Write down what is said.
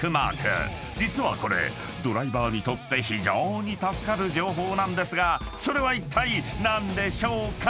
［実はこれドライバーにとって非常に助かる情報なんですがそれはいったい何でしょうか？］